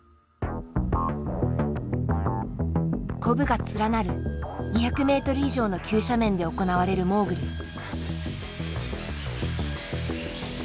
コブが連なる２００ｍ以上の急斜面で行われるモーグル。